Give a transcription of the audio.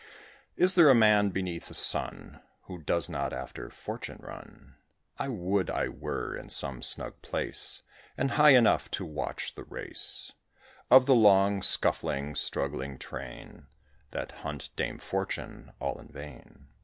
Is there a man beneath the sun, Who does not after Fortune run? I would I were in some snug place, And high enough to watch the race Of the long, scuffling, struggling train That hunt Dame Fortune all in vain.